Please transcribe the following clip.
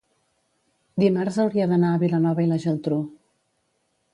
dimarts hauria d'anar a Vilanova i la Geltrú.